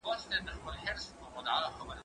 زه به اوږده موده لاس مينځلي وم؟